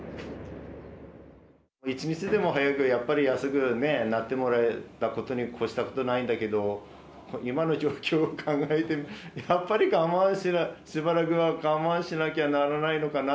１日も早くやっぱり安くなってもらえることに越したことないんだけど今の状況を考えてやっぱりしばらくは我慢しなければならないのかな。